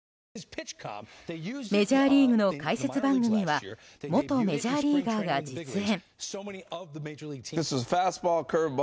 メジャーリーグの解説番組は元メジャーリーガーが実演。